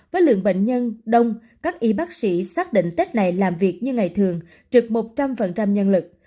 với lượng bệnh nhân đông các y bác sĩ xác định tết này làm việc như ngày thường trực một trăm linh nhân lực